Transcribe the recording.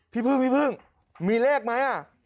พี่พึ่งมีเลขไหม